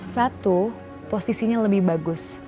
satu posisinya lebih bagus